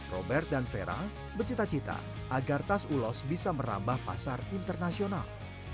robert dan vera bercita cita agar tas ulos bisa merambah pasar internasional